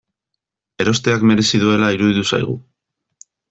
Erosteak merezi duela iruditu zaigu.